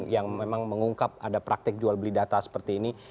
yang memang mengungkap ada praktik jual beli data seperti ini